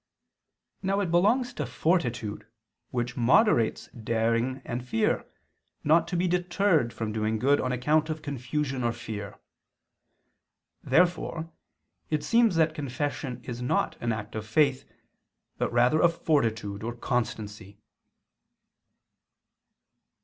Now it belongs to fortitude, which moderates daring and fear, not to be deterred from doing good on account of confusion or fear. Therefore it seems that confession is not an act of faith, but rather of fortitude or constancy.